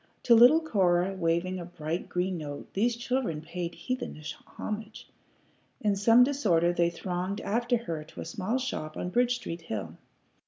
To little Cora waving a bright green note these children paid heathenish homage. In some disorder they thronged after her to a small shop on Bridge Street hill.